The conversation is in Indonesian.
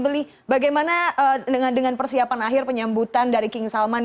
beli bagaimana dengan persiapan akhir penyambutan dari king salman